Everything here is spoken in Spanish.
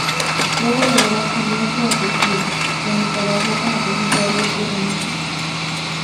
Luego logró exiliarse a Turquía, donde trabajó como profesor de urbanismo.